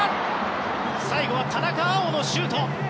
最後は田中碧のシュート。